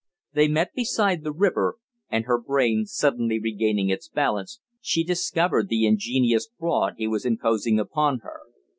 They met beside the river, and, her brain suddenly regaining its balance, she discovered the ingenious fraud he was imposing upon her."